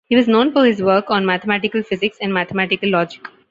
He was known for his work on mathematical physics and mathematical logic.